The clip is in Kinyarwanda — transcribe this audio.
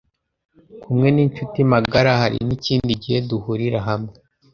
kumwe n incuti magara hari n ikindi gihe duhurira hamwe